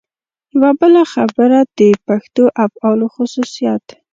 یوه بله خبره د پښتو افعالو خصوصیت.